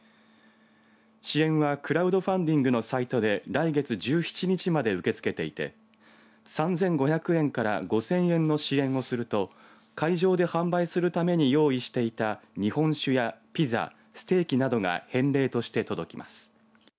支援はクラウドファンディングのサイトで来月１７日まで受け付けていて３５００円から５０００円の支援をすると会場で販売するために用意していた日本酒やピザステーキなどが返礼として届きます。